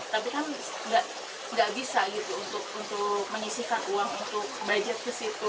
tapi kan nggak bisa gitu untuk menyisihkan uang untuk budget ke situ